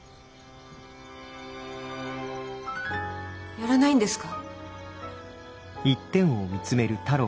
やらないんですか？